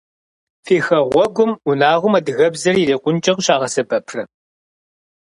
Фи хэгъуэгум унагъуэм адыгэбзэр ирикъункӏэ къыщагъэсэбэпрэ?